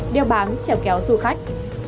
đeo bám treo kéo du khách